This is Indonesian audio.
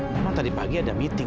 memang tadi pagi ada meeting